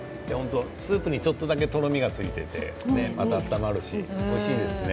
スープにちょっとだけとろみがついていて温まるしおいしいですね。